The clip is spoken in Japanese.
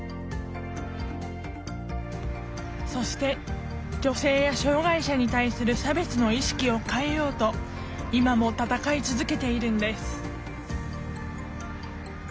そして女性や障害者に対する差別の意識を変えようと今も戦い続けているんです